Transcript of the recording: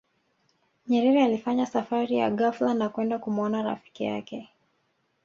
nyerere alifanya safari ya ghafla ya kwenda kumuona rafiki yake